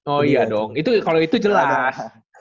oh iya dong itu kalau itu jelas